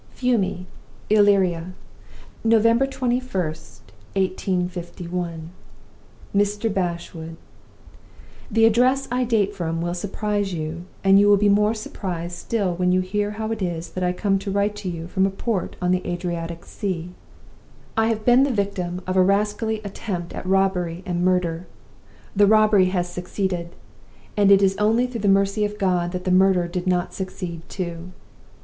"'Fiume, Illyria, November 21, 1851. "MR. BASHWOOD The address I date from will surprise you; and you will be more surprised still when you hear how it is that I come to write to you from a port on the Adriatic Sea. "I have been the victim of a rascally attempt at robbery and murder. The robbery has succeeded; and it is only through the mercy of God that the murder did not succeed too.